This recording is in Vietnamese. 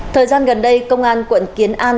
thời gian gần đây công an quận kiến an